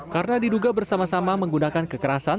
karena diduga bersama sama menggunakan kekerasan